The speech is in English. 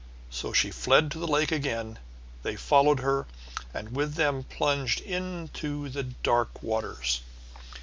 So she fled to the lake again, they following her, and with them plunged into the dark waters.